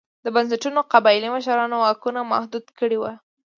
بنسټونو قبایلي مشرانو واکونه محدود کړي وو.